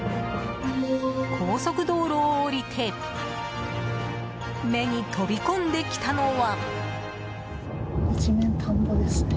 高速道路を降りて目に飛び込んできたのは。